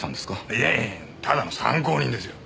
いやいやただの参考人ですよ。